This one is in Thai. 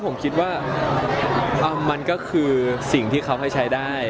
ผมคิดว่ามันก็คือสิ่งที่เขาให้ใช้ได้